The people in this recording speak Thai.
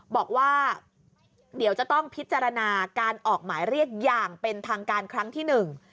บอกว่าเดี๋ยวจะต้องพิจารณาการออกหมายเรียกอย่างเป็นทางการครั้งที่หนึ่ง